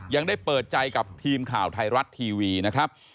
ยังได้เปิดใจกับทีมข่าวไทยรัฐทีวีนะครับ